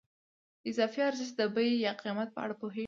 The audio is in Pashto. د اضافي ارزښت د بیې یا قیمت په اړه پوهېږو